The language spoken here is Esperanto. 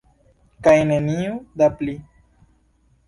Kaj neniu da pli.